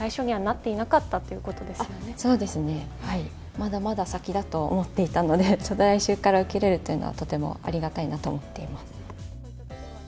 まだまだ先だと思っていたので来週から受けれるというのはとてもありがたいと思っています。